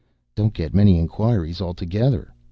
"Don't get many inquiries altogether.